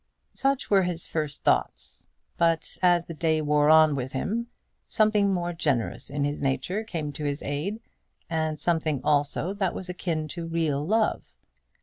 Such were his first thoughts; but as the day wore on with him, something more generous in his nature came to his aid, and something also that was akin to real love.